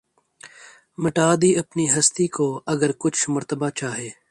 مٹا دی اپنی ھستی کو اگر کچھ مرتبہ چاھے